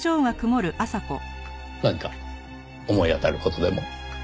何か思い当たる事でも？